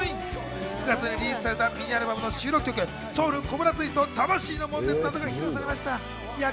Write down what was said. ９月にリリースされたミニアルバムの収録曲『Ｓｏｕｌコブラツイスト魂の悶絶』などが披露されました。